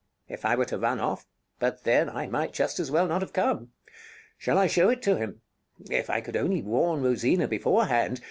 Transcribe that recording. If I were to run off? but then I might just as well not have come. Shall I show it to him? If I could only warn Rosina beforehand!